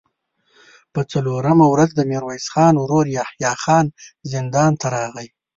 په څلورمه ورځ د ميرويس خان ورو يحيی خان زندان ته راغی.